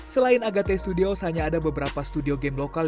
selain agate studios hanya ada beberapa studio game lokal